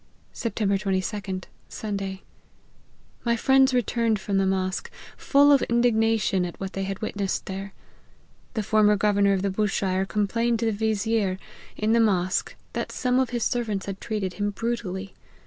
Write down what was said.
" Sept. 22d. Sunday. My friends returned from the mosque, full of indignation at what they had witnessed there. The former governor of Bushire complained to the vizier, in the mosque, that some of his servants had treated him brutally.